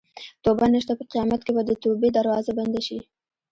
توبه نشته په قیامت کې به د توبې دروازه بنده شي.